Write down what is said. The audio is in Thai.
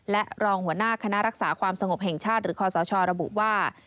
และรองหัวหน้าคณะรักษาความสงบแห่งชาติหรือคอสชระบุว่า